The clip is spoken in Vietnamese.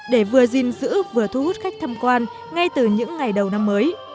để vừa dinh dữ vừa thu hút khách thăm quan ngay từ những ngày đầu năm mới